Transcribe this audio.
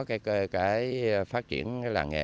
cái phát triển cái làng nghề